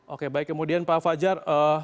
oke baik kemudian pak fajar